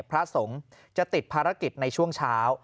พระสงฆ์จะติดภารกิจในช่วงเช้า